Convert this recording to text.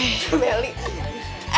nah ya biasa aja biasa aja